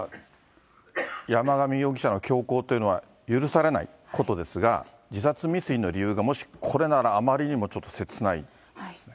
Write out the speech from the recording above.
山上容疑者の凶行というのは許されないことですが、自殺未遂の理由がもしこれなら、あまりにもちょっと切ないですね。